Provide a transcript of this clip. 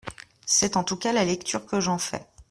C’est en tout cas la lecture que j’en fais.